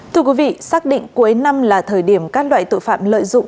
thưa quý vị xác định cuối năm là thời điểm các loại tội phạm lợi dụng